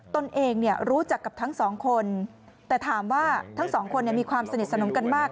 ตนเองรู้จักกับทั้งสองคนแต่ถามว่าทั้งสองคนมีความสนิทสนมกันมาก